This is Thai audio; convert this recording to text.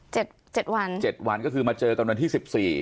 เจ็ดเจ็ดวันเจ็ดวันก็คือมาเจอกันวันที่สิบสี่